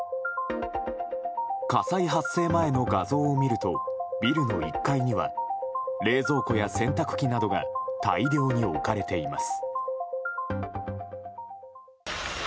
火災発生前の画像を見るとビルの１階には冷蔵庫や洗濯機などが大量に置かれています。